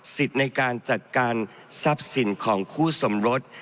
ในการจัดการทรัพย์สินของคู่สมรส